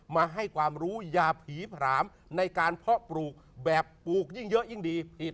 มาให้ความรู้อย่าผีผลามในการเพาะปลูกแบบปลูกยิ่งเยอะยิ่งดีผิด